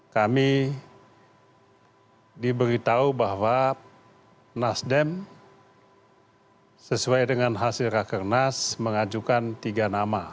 kami diberitahu bahwa nasdem sesuai dengan hasil rakernas mengajukan tiga nama